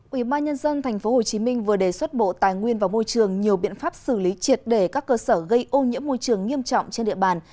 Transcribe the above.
ủy ban nhân dân tp hcm vừa đề xuất bộ tài nguyên và môi trường nhiều biện pháp xử lý triệt để các cơ sở gây ô nhiễm môi trường nghiêm trọng trên địa bàn